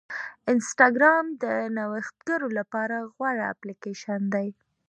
انسټاګرام د نوښتګرو لپاره غوره اپلیکیشن دی.